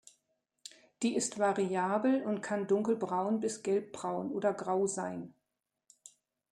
Die ist variabel und kann dunkelbraun bis gelbbraun oder grau sein.